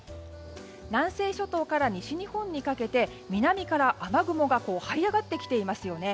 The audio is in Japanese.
南西諸島から西日本にかけて南から雨雲がはい上がってきていますよね。